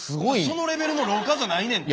そのレベルの老化じゃないねんって。